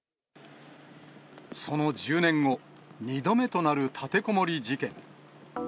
その１０年後、２度目となる立てこもり事件。